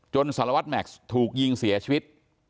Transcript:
สารวัตรแม็กซ์ถูกยิงเสียชีวิต